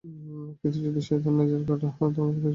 কিন্তু যদি শয়তান লেজার গাটো আমাকে ধ্বংস করে দেয়?